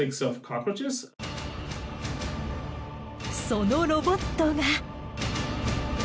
そのロボットが。